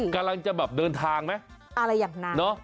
กำลังจะแบบเดินทางไหมอะไรอย่างนั้นเนอะ